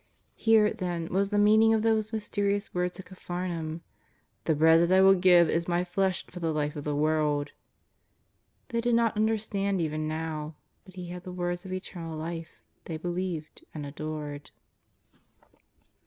Here, then, was the meaning of those mysterious words at Capharnaum :" The bread that I will give is My flesh for the life of the world." They did not under stand even now, but He had the words of eternal life; they believed, and adored.